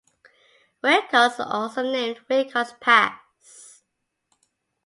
Wilcox was also named Wilcox Pass.